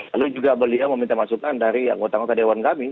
lalu juga beliau meminta masukan dari anggota anggota dewan kami